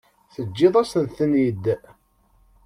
Teǧǧiḍ-asen-ten-id.